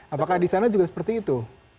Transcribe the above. apakah di sana juga seperti itu